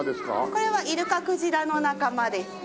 これはイルカクジラの仲間ですね。